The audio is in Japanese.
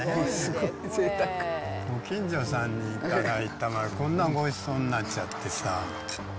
ご近所さんに頂いたらこんなごちそうになっちゃってさ。